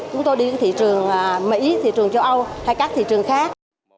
chúng tôi đi thị trường mỹ thị trường châu âu hay các thị trường khác